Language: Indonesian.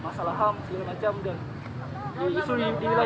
masalah ham segala macam dan isu isu yang dilayangkan